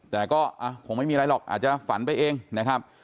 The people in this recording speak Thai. แต่ก็คงไม่มีอะไรหรอกอาจจะฝันไปเองนะครับ